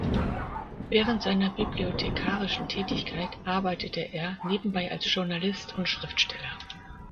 Während seiner bibliothekarischen Tätigkeit arbeitete er nebenbei als Journalist und Schriftsteller.